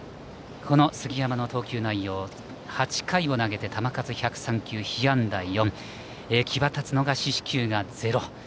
杉山の投球内容、８回を投げて球数１０３球、被安打４際立つのが四死球がゼロ。